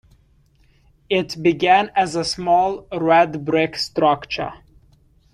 It began as a small red brick structure.